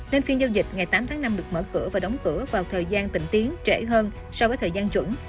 nên phiên giao dịch ngày tám tháng năm được mở cửa và đóng cửa vào thời gian tịnh tiến trễ hơn so với thời gian chuẩn